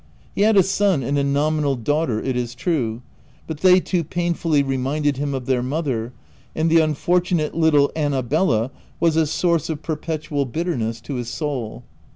He had a son and a nominal daughter, it is true, but they too painfully reminded him of their mother, and the unfortunate little Annabella was a source of 2/0 THE TENANT perpetual bitterness to his soul.